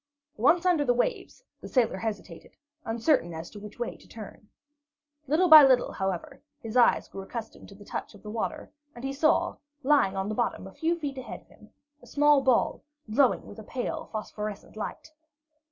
Once under the waves, the sailor hesitated, uncertain as to which way to turn. Little by little, however, his eyes grew accustomed to the touch of the water, and he saw, lying on the bottom a few feet ahead of him, a small ball glowing with a pale phosphorescent light.